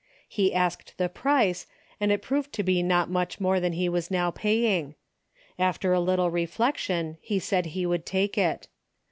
He asked the price and it proved to be not much more than he was now paying. After a little reflection he said he would take it.